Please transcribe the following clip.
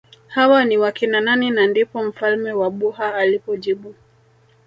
Hawa ni wakina nani na ndipo mfalme wa Buha alipojibu